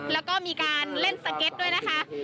แล้วก็มีการเล่นสเก็ตด้วยนะคะ